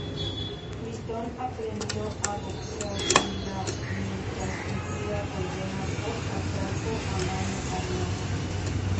Liston aprendió a boxear en la mientras cumplía condena por atraco a mano armada.